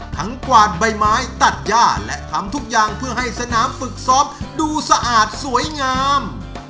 กวาดใบไม้ตัดย่าและทำทุกอย่างเพื่อให้สนามฝึกซ้อมดูสะอาดสวยงาม